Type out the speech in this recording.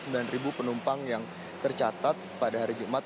dan ribu penumpang yang tercatat pada hari jumat